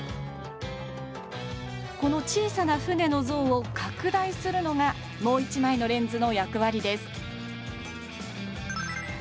この小さな船の像を拡大するのがもう一枚のレンズの役割です